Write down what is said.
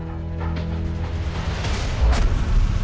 aku mau ke rumah